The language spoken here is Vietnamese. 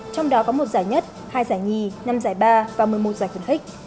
trong đó có một giải nhất hai giải nhì năm giải ba và một mươi một giải khuẩn hích